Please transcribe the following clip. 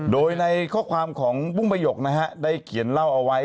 โดยในข้อความของบุ้งประหยกนะฮะได้เขียนเล่าเอาไว้